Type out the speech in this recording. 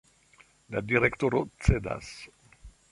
La direktoro cedas.